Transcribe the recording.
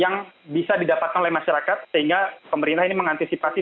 yang bisa didapatkan oleh masyarakat sehingga pemerintah ini mengantisipasi